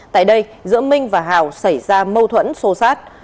tại đây giữa minh và hào xảy ra mâu thuẫn sô sát